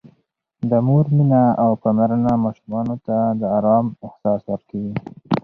د مور مینه او پاملرنه ماشومانو ته د آرام احساس ورکوي.